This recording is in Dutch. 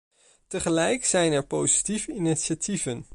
Tegelijk zijn er positieve initiatieven.